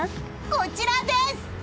こちらです！